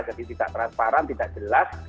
jadi tidak transparan tidak jelas